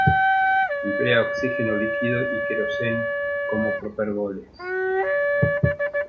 Emplea oxígeno líquido y queroseno como propergoles.